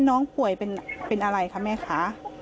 น้องป่วยเป็นอะไรคะแม่คะ